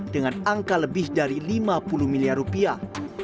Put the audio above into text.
dengan angka lebih dari lima puluh miliar rupiah